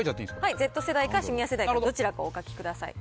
Ｚ世代かシニア世代かどちらかをお書きください。